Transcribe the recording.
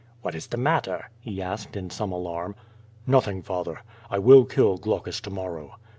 Wliat is the matter?" he asked, in some alarm. "Nothing, father; I will kill Glaucus to morrow."